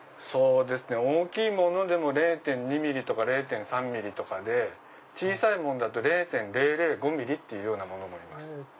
大きいものでも０．２ｍｍとか０．３ｍｍとかで小さいものだと０．００５ｍｍもいます。